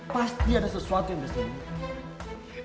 pasti ada sesuatu yang disembunyikan